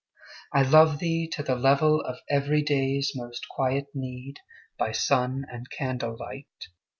I love thee to the level of everyday's Most quiet need, by sun and candle light.